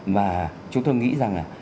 và chúng tôi nghĩ rằng là